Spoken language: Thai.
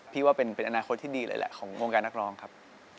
พี่ว่าเป็นอนาคตที่ดีเลยแหละของวงการนักร้องครับ